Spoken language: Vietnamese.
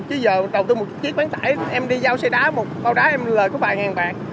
chứ giờ đầu tư một chiếc bán tải em đi giao xe đá một bao đá em lời có vài ngàn bạc